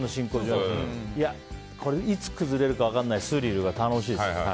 いつ崩れるか分からないスリルが楽しいですね。